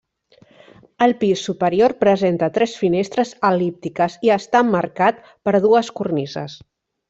El pis superior presenta tres finestres el·líptiques i està emmarcat per dues cornises.